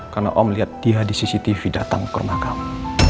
karena om lihat dia di cctv datang ke rumah kamu